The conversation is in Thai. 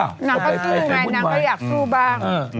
นางก็ซื้อไงนางก็อยากซื้อบ้าง